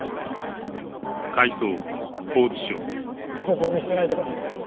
僕を見捨てないでください。